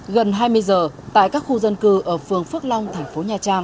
gần hai mươi giờ tại các khu dân cư ở phường phước long thành phố nhà trang